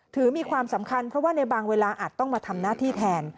มีความสำคัญเพราะว่าในบางเวลาอาจต้องมาทำหน้าที่แทน